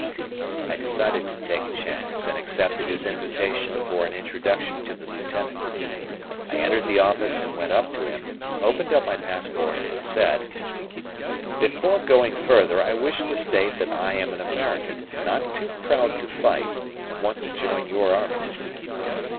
I decided to take a chance, and accepted his invitation for an introduction to the Lieutenant. I entered the office and went up to him, opened up my passport, and said: "Before going further I wish to state that I am an American, not too proud to fight, and want to join your army."